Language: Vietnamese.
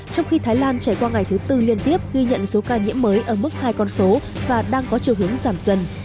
trong khi thái lan trải qua ngày thứ tư liên tiếp ghi nhận số ca nhiễm mới ở mức hai con số và đang có chiều hướng giảm dần